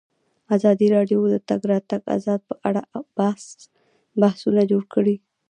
ازادي راډیو د د تګ راتګ ازادي په اړه پراخ بحثونه جوړ کړي.